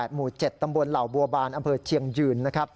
หมู่๗ตำบลเหล่าบัวบานอำเภอเชียงยืนนะครับ